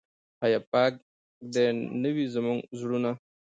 آیا پاک دې نه وي زموږ زړونه؟